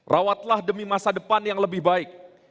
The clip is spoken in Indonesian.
rawatlah demi masa depan yang lebih baik